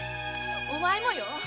お前もよ。